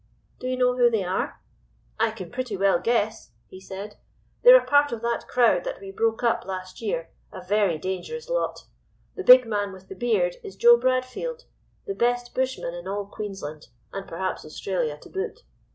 "'Do you know who they are?' "'I can pretty well guess,' he said. 'They're a part of that crowd that we broke up last year, a very dangerous lot! The big man with the beard is Joe Bradfield, the best bushman in all Queensland, and perhaps Australia, to boot.